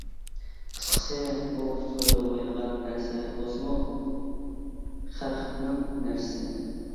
قىسقىسى، ئۇ تۇتقىلى بولمايدىغان نەرسە بولسىمۇ، خەقنىڭ نەرسىسى.